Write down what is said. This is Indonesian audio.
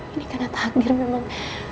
ini karena takdir memang